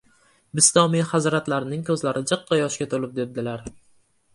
Bistomiy hazratlarining ko‘zlari jiqqa yoshga to‘lib debdilar: